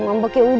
ngambek ya udah